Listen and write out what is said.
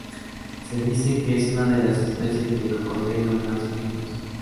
Se dice que es una de las especies de cocodrilo más peligrosas.